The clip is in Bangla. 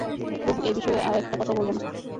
বোহ, এই বিষয়ে আর একটা কথাও বলবে না!